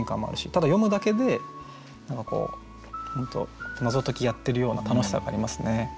ただ読むだけで本当謎解きやってるような楽しさがありますね。